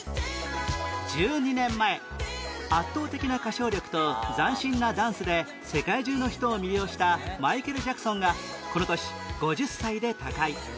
１２年前圧倒的な歌唱力と斬新なダンスで世界中の人を魅了したマイケル・ジャクソンがこの年５０歳で他界